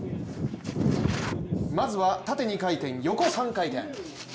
まずは縦２回転、横３回転。